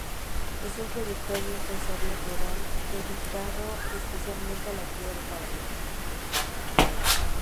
Es un productor y empresario rural, dedicado especialmente a la cría de caballos.